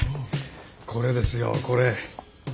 これですよこれ。